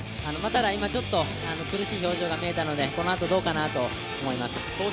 今ちょっと苦しい表情が見えたので、このあとどうかなと思います。